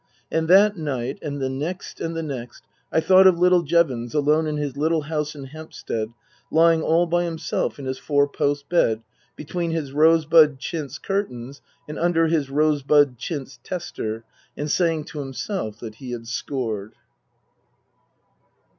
And that night and the next and the next I thought of little Jevons alone in his little house in Hampstead, lying all by himself in his four post bed between his rosebud chintz curtains and under his rosebud chintz tester, and saying to himself that he had scored.